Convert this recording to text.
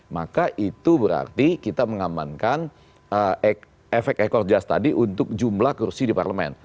maka itu berarti kita mengamankan efek ekor jas tadi untuk jumlah kursi di parlemen